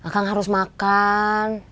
kang harus makan